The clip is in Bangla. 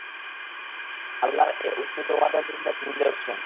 আল্লাহর এ উটনী তোমাদের জন্যে একটি নিদর্শন।